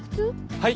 はい！